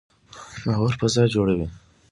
باور فضا جوړوي